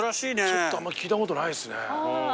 ちょっと聞いたことないですね。